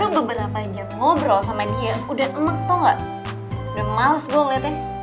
udah males gue ngeliatnya